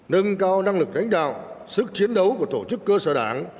nâng cao năng lực lãnh đạo sức chiến đấu của tổ chức cơ sở đảng